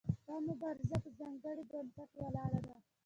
دا مبارزه په ځانګړي بنسټ ولاړه ده.